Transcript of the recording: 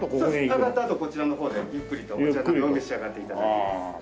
上がったあとこちらの方でゆっくりとお茶などを召し上がって頂きます。